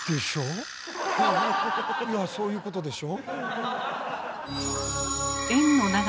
いやそういうことでしょ？